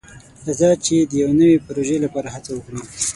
راځه چې د یو نوي پروژې لپاره هڅه وکړو.